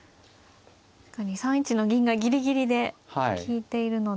３一の銀がギリギリで利いているので。